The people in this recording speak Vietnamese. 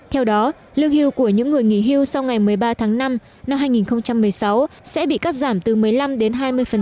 theo đó lương hưu của những người nghỉ hưu sau ngày một mươi ba tháng năm năm hai nghìn một mươi sáu sẽ bị cắt giảm từ một mươi năm đến hai mươi